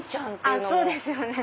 そうですよね。